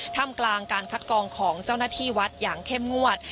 ทำกลางการคัดกองของเจ้าหน้าที่วัดอย่างเข้มงวด